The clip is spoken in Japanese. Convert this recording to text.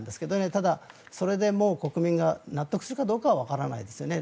ただ、それで国民が納得するかどうかはわからないですね。